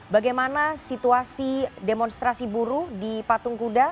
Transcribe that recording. bagaimana situasi demonstrasi buruh di patung kuda